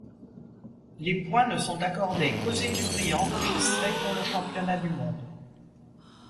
Les points ne sont accordés qu'aux écuries enregistrées pour le championnat du monde.